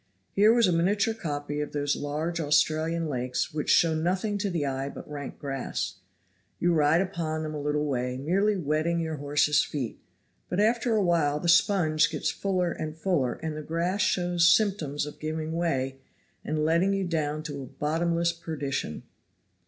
Here was a miniature copy of those large Australian lakes which show nothing to the eye but rank grass. You ride upon them a little way, merely wetting your horse's feet, but after a while the sponge gets fuller and fuller, and the grass shows symptoms of giving way, and letting you down to "bottomless perdition."